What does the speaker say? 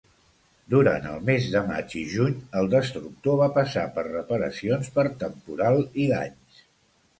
Durant el mes de maig i juny, el destructor va passar per reparacions per temporal i danys.